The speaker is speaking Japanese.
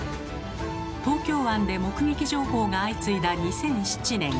東京湾で目撃情報が相次いだ２００７年。